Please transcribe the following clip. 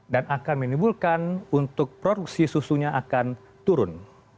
dan akan menimbulkan untuk produksi susunya akan turun